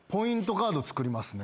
カード作りますね。